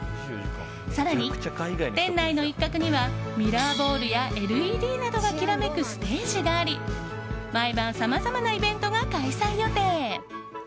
更に、店内の一角にはミラーボールやＬＥＤなどがきらめくステージがあり毎晩、さまざまなイベントが開催予定。